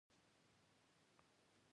دوه نیم زره اوزې او پسونه به هم حلالېدل.